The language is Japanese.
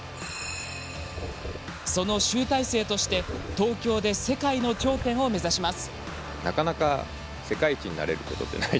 その集大成として東京で世界の頂点を目指します。